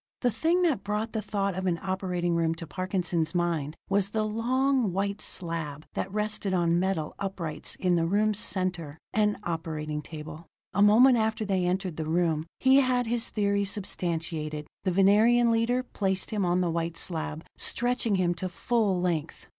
The thing that brought the thought of an operating room to Parkinson's mind was the long, white slab that rested on metal uprights in the room's center an operating table. A moment after they entered the room, he had his theory substantiated: the Venerian leader placed him on the white slab, stretching him to full length.